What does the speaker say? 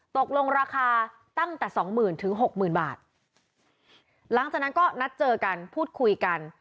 ตกลงราคาตั้งแต่สองหมื่นถึงหกหมื่นบาทหลังจากนั้นก็นัดเจอกันพูดคุยกัน